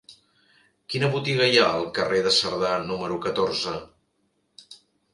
Quina botiga hi ha al carrer de Cerdà número catorze?